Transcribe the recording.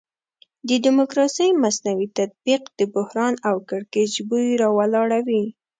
د ډیموکراسي مصنوعي تطبیق د بحران او کړکېچ بوی راولاړوي.